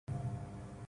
No audio